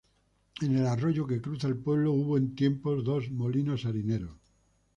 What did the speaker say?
En el arroyo que cruza el pueblo hubo en tiempos dos molinos harineros.